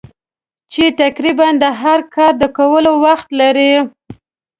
چې تقریباً د هر کار د کولو وخت لرې.